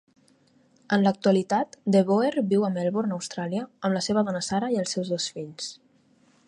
En l'actualitat, DeBoer viu a Melbourne, Austràlia, amb la seva dona Sarah i els seus dos fills.